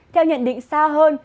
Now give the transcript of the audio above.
theo nhận định xa hơn